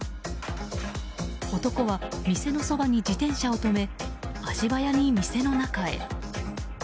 男は店のそばに自転車を止め足早に店の中へ。